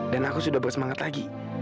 dan aku sudah bersemangat lagi